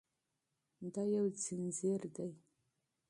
دا یو ځنځیر دی.